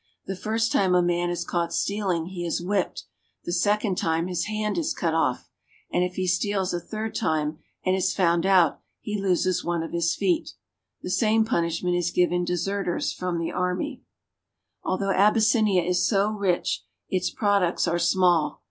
The first time a man is caught stealing he is whipped, the second time his hand is cut off, and if he steals a third time and is found out he loses one of his feet. The same punish ment is given deserters from the army. Although Abyssinia is so rich, its products are small.